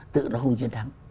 tự nó không chiến thắng